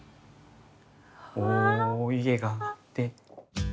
お湯気が上がって。